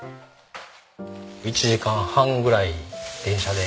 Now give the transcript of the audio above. １時間半ぐらい電車で。